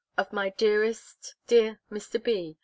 of, my dearest dear Mr. B.